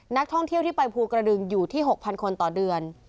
นักท่องเที่ยวที่ไปภูกระดึงอยู่ที่๖๐๐คนต่อเดือน